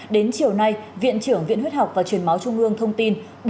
đến chiều nay viện trưởng viện huyết học và truyền máu trung ương thông tin